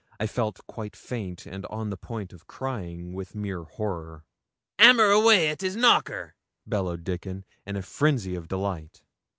I felt quite faint, and on the point of crying, with mere horror. 'Hammer away at his knocker,' bellowed Dickon, in a frenzy of delight.